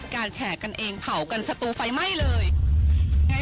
แฉกันเองเผากันสตูไฟไหม้เลยไง